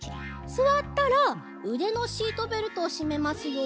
すわったらうでのシートベルトをしめますよ。